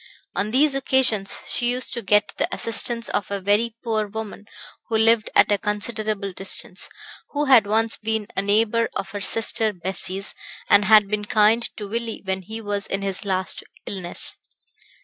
On these occasions she used to get the assistance of a very poor woman who lived at a considerable distance, who had once been a neighbour of her sister Bessie's, and had been kind to Willie when he was in his last illness.